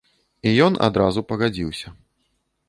І ён адразу пагадзіўся.